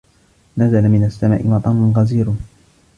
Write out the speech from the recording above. نَزَلَ مِنَ السَّمَاءِ مَطَرٌ غزيرٌ.